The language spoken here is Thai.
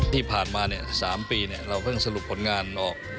ที่ผ่านมา๓ปีเราเพิ่งสรุปผลงานออก